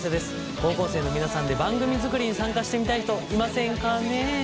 高校生の皆さんで番組作りに参加してみたい人いませんかね？